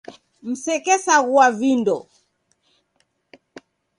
Msekesaghua vindo.